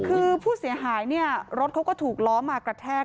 คือผู้เสียหายเนี่ยรถเขาก็ถูกล้อมากระแทก